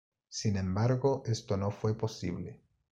Sin embargo, esto no fue posible.